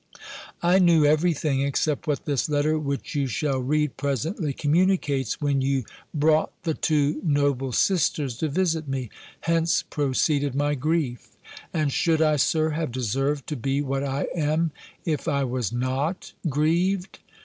"I knew every thing, except what this letter which you shall read presently, communicates, when you brought the two noble sisters to visit me: hence proceeded my grief; and should I, Sir, have deserved to be what I am, if I was not grieved?